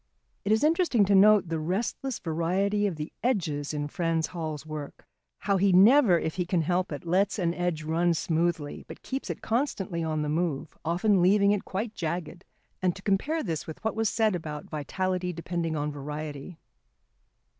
It is interesting to note the restless variety of the edges in Frans Hal's work, how he never, if he can help it, lets an edge run smoothly, but keeps it constantly on the move, often leaving it quite jagged, and to compare this with what was said about vitality depending on variety.